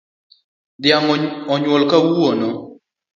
Dhiang onyuol kawuono